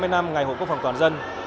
ba mươi năm ngày hộ quốc phòng toàn dân